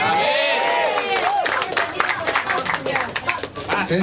oke terima kasih